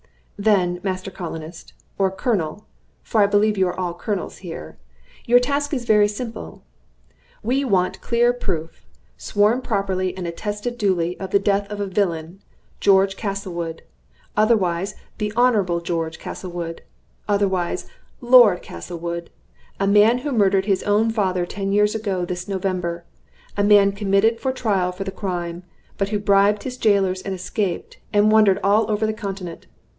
"Then, Master Colonist, or Colonel for I believe you are all colonels here your task is very simple. We want clear proof, sworn properly and attested duly, of the death of a villain George Castlewood, otherwise the Honorable George Castlewood, otherwise Lord Castlewood: a man who murdered his own father ten years ago this November: a man committed for trial for the crime, but who bribed his jailers and escaped, and wandered all over the Continent.